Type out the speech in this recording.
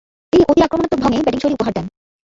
তিনি ‘অতি-আক্রমণাত্মক’ ঢংয়ে ব্যাটিংশৈলী উপহার দেন।